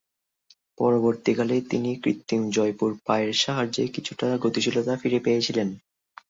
পরবর্তীকালে তিনি কৃত্রিম জয়পুর পায়ের সাহায্যে কিছুটা গতিশীলতা ফিরে পেয়েছিলেন।